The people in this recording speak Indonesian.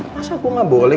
masa aku gak boleh